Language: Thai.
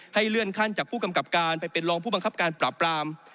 เลื่อนขั้นจากผู้กำกับการไปเป็นรองผู้บังคับการปราบปราม